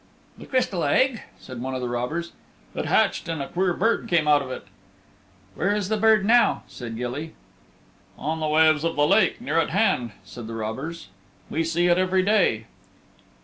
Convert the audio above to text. "The Crystal Egg," said one of the robbers. "It hatched, and a queer bird came out of it." "Where is that bird now?" said Gilly. "On the waves of the lake near at hand," said the robbers. "We see it every day."